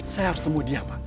saya harus temu dia pak